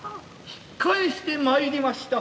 引っ返して参りました。